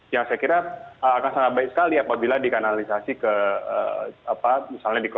yang saya kira akan sangat baik sekali apabila dikanalisasi ke apa misalnya di kota